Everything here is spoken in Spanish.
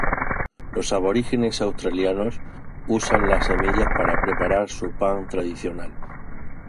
Los aborígenes australianos usan las semillas para preparar su pan tradicional.